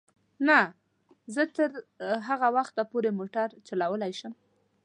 نه، زه تر هغه وخته پورې موټر چلولای شم.